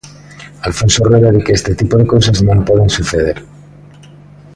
Alfonso Rueda di que este tipo de cousas non poden suceder.